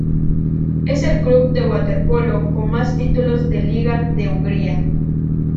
Es el club de waterpolo con más títulos de liga de Hungría.